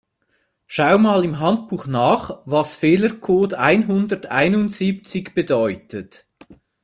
Schau mal im Handbuch nach, was Fehlercode einhunderteinundsiebzig bedeutet.